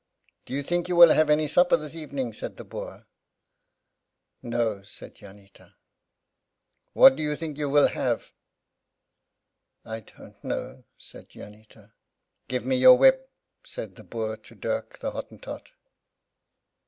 "Do you think you will have any supper this evening?" said the Boer. "No," said Jannita. "What do you think you will have?" "I don't know," said Jannita. "Give me your whip," said the Boer to Dirk, the Hottentot.